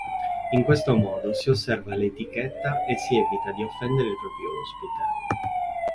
In questo modo si osserva l'etichetta e si evita di offendere il proprio ospite.